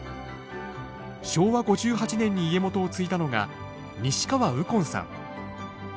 昭和５８年に家元を継いだのが西川右近さん。